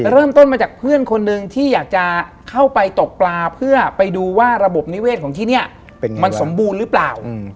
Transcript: เริ่มต้นมาจากเพื่อนคนหนึ่งที่อยากจะเข้าไปตกปลาเพื่อไปดูว่าระบบนิเวศของที่เนี่ยมันสมบูรณ์หรือเปล่า